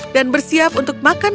dan bersiap untuk makan makanan